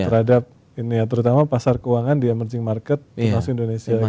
terhadap ini ya terutama pasar keuangan di emerging market di masuk indonesia gitu ya